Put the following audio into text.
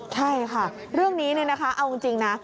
ใช่ค่ะเรื่องนี้เนี่ยนะคะเอาจริงนะ